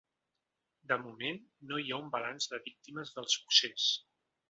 De moment no hi ha un balanç de víctimes del succés.